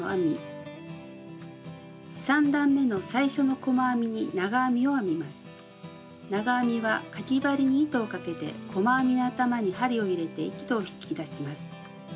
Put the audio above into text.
３段めの最初の細編みに長編みはかぎ針に糸をかけて細編みの頭に針を入れて糸を引き出します。